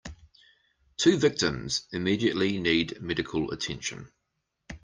Two victims immediately need medical attention.